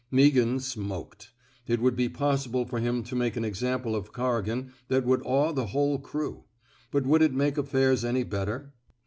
Meaghan smoked. It would be possible for him to make an example of Corrigan that would awe the whole crew; but would it make affairs any better!